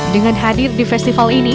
dengan hadir di festival ini